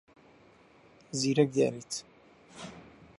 زیرەک دیاریت.